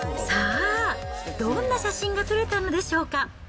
さあ、どんな写真が撮れたのでしょうか。